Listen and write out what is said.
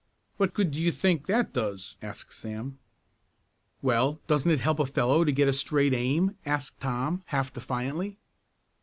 "What good do you think that does?" asked Sam. "Well, doesn't it help a fellow to get a straight aim?" asked Tom, half defiantly.